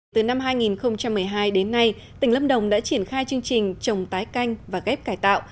từ năm hai nghìn một mươi hai đến nay tỉnh lâm đồng đã triển khai chương trình trồng tái canh và ghép cải tạo